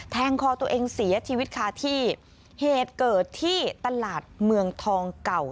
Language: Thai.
คอตัวเองเสียชีวิตคาที่เหตุเกิดที่ตลาดเมืองทองเก่า